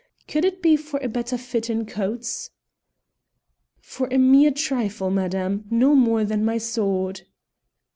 Could it be could it be for a better fit in coats?" "For a mere trifle, madame, no more than my sword."